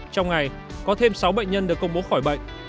trong ngày có thêm sáu bệnh nhân được công bố khỏi bệnh